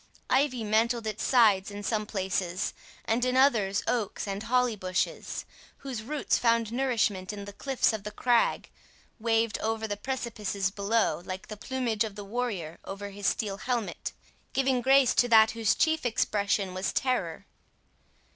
Ivy mantled its sides in some places, and in others oaks and holly bushes, whose roots found nourishment in the cliffs of the crag, waved over the precipices below, like the plumage of the warrior over his steel helmet, giving grace to that whose chief expression was terror.